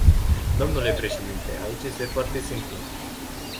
Domnule președinte, aici este foarte simplu.